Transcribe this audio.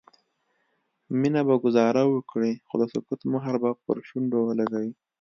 مينه به ګذاره وکړي خو د سکوت مهر به پر شونډو ولګوي